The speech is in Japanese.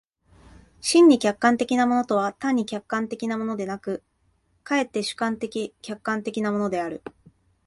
真に客観的なものとは単に客観的なものでなく、却って主観的・客観的なものである。